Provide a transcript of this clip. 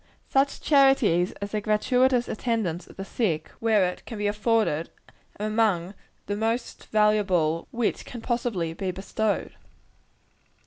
Such charities as the gratuitous attendance of the sick, where it can be afforded, are among the most valuable which can possibly be bestowed.